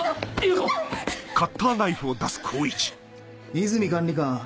和泉管理官。